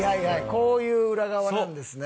こういう裏側なんですね。